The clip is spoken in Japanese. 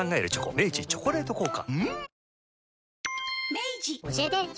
明治「チョコレート効果」